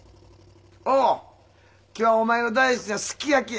おお。今日はお前の大好きなすき焼きや。